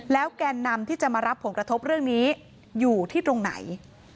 แกนนำที่จะมารับผลกระทบเรื่องนี้อยู่ที่ตรงไหน